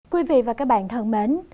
quý vị và các bạn thân mến